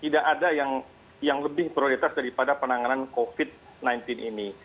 tidak ada yang lebih prioritas daripada penanganan covid sembilan belas ini